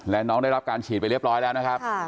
และน้องได้รับการฉีดไปเรียบร้อยแล้วนะครับ